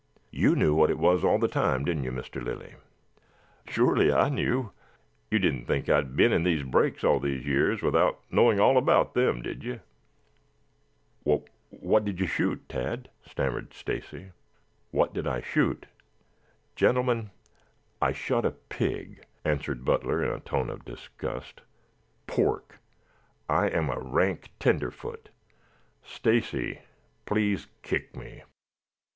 "You knew what it was all the time, didn't you, Mr. Lilly?" "Surely I knew. You didn't think I had been in these brakes all these years without knowing all about them, did you?" "Wha what did you shoot, Tad?" stammered Stacy. "What did I shoot? Gentlemen, I shot a pig," answered Butler in a tone of disgust. "Pork! I am a rank tenderfoot. Stacy, please kick me."